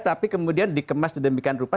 tapi kemudian dikemas sedemikian rupa